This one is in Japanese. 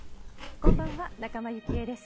こんばんは仲間由紀恵です。